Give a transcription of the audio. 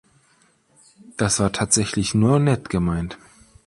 Das war tatsächlich nur nett gemeint.